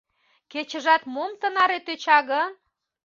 Кечыжат мом тынаре тӧча гын?